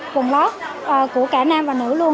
quần lót của cả nam và nữ luôn